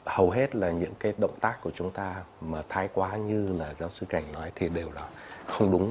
hầu hết là những cái động tác của chúng ta mà thái quá như là giáo sư cảnh nói thì đều là không đúng